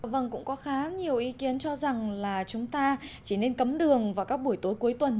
vâng cũng có khá nhiều ý kiến cho rằng là chúng ta chỉ nên cấm đường vào các buổi tối cuối tuần